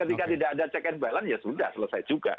ketika tidak ada check and balance ya sudah selesai juga